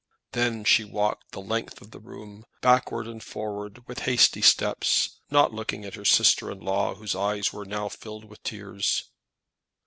Then she walked the length of the room, backwards and forwards, with hasty steps, not looking at her sister in law, whose eyes were now filled with tears.